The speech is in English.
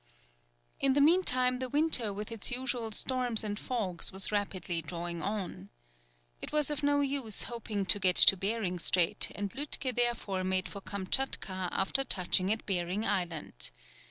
In the meantime the winter with its usual storms and fogs was rapidly drawing on. It was of no use hoping to get to Behring Strait, and Lütke therefore made for Kamtchatka after touching at Behring Island.